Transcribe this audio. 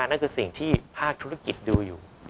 นั่นคือสิ่งที่ภาคธุรกิจดูอยู่